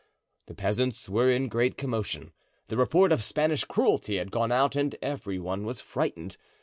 The peasants were in great commotion. The report of Spanish cruelty had gone out and every one was frightened.